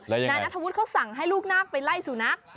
นายนัทธวุฒิเขาสั่งให้ลูกนาคไปไล่สุนัข